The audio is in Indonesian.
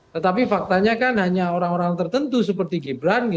tetapi faktanya kan hanya orang orang tertentu seperti gibran